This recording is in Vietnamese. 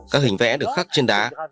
các hình vẽ được khắc trên đá